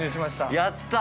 ◆やった。